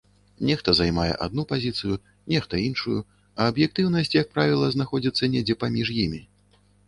Нехта займае адну пазіцыю, нехта іншую, а аб'ектыўнасць, як правіла, знаходзіцца недзе паміж імі.